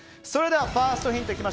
それではファーストヒント。